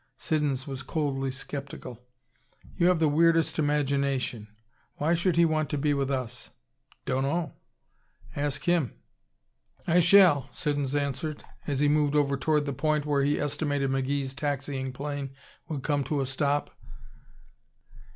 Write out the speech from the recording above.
Siddons was coldly skeptical. "You have the weirdest imagination. Why should he want to be with us?" "Dunno. Ask him." "I shall," Siddons answered as he moved over toward the point where he estimated McGee's taxiing plane would come to a stop.